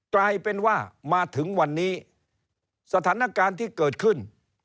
กลายเป็นว่ามาถึงวันนี้สถานการณ์ที่เกิดขึ้น